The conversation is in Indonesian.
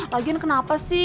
lagian kenapa sih